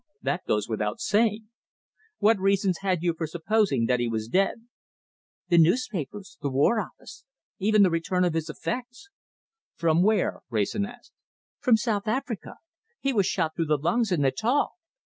That goes without saying. What reasons had you for supposing that he was dead?" "The newspapers, the War Office, even the return of his effects." "From where?" Wrayson asked. "From South Africa. He was shot through the lungs in Natal!"